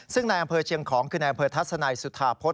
ซึ่งนายอำเภอเชียงของคือนายอำเภอทัศนัยสุธาพฤษ